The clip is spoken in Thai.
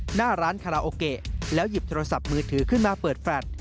หน้าร้านคาราโอเกะแล้วหยิบโทรศัพท์มือถือขึ้นมาเปิดแฟลต